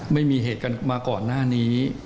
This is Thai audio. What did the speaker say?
ไม่มีเหตุกันมาก่อนหน้านี้